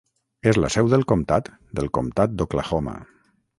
És la seu del comtat del Comtat d'Oklahoma.